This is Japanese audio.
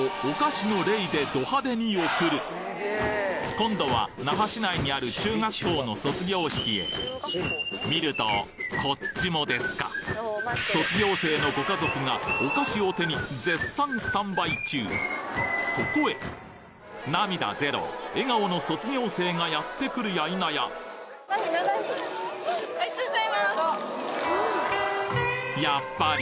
今度は那覇市内にある中学校の卒業式へ見るとこっちもですか卒業生のご家族がお菓子を手に絶賛スタンバイ中そこへ涙ゼロ笑顔の卒業生がやって来るや否ややっぱり！